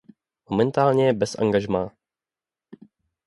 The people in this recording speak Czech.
Momentálně je bez angažmá.